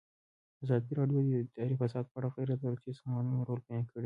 ازادي راډیو د اداري فساد په اړه د غیر دولتي سازمانونو رول بیان کړی.